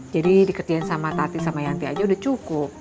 jadi dikerjain sama tati sama yanti aja udah cukup